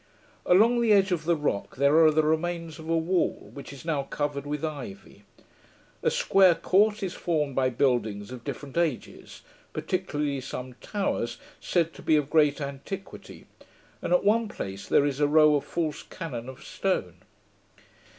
Along the edge of the rock, there are the remains of a wall, which is now covered with ivy. A square court is formed by buildings of different ages, particularly some towers, said to be of great antiquity; and at one place there is a row of false cannon of stone.